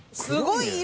すごい。